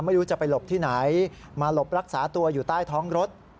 ไม่รู้จะไปหลบที่ไหนมาหลบรักษาตัวอยู่ใต้ท้องรถ